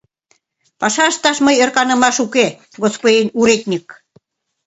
Паша ышташ мый ӧрканымаш уке, господин уредньык.